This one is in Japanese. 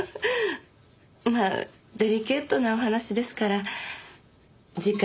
まあデリケートなお話ですから次回